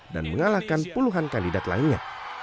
dan mengalahkan puluhan kandidat lainnya